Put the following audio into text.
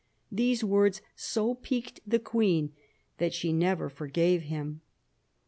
These words so piqued the Queen that she never forgave him."